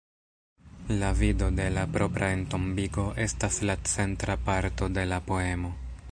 La vido de la propra entombigo, estas la centra parto de la poemo.